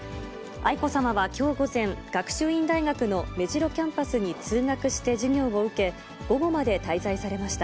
愛子さまはきょう午前、学習院大学の目白キャンパスに通学して授業を受け、午後まで滞在されました。